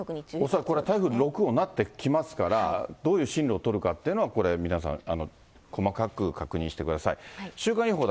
恐らく台風６号になってきますから、どういう進路を取るかっていうのはこれ、皆さん細かく確認してください。